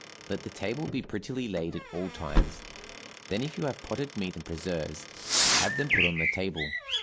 Let the table be prettily laid at all times, then if you have potted meat and preserves, have them put on the table.